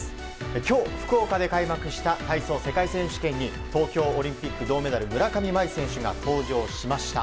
今日、福岡で開幕した体操世界選手権に東京オリンピック銅メダル村上茉愛選手が登場しました。